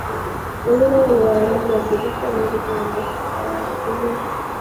wengine ni Waarabu Wagiriki Waarmenia na wawakilishi